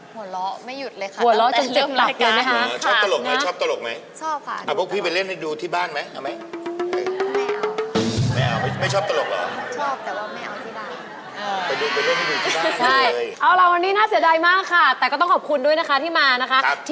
หัวเลาะไม่หยุดเลยครับ